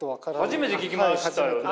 初めて聞きましたよね？